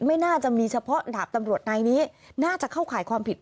ไม่น่าจะมีเฉพาะดาบตำรวจนายนี้น่าจะเข้าข่ายความผิด